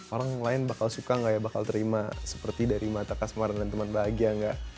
orang lain bakal suka gak ya bakal terima seperti dari mata kasmaran dan teman bahagia enggak